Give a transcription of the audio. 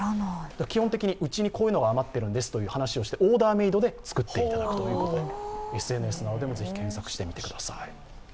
基本的にうちにこういうのが余っているんですという話をしてオーダーメードで作っていただくということで、ＳＮＳなどでもぜひ検索してみてください。